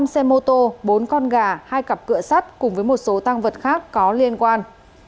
năm xe mô tô bốn con gà hai cặp cửa sắt cùng với một số tăng vật khác có liên quan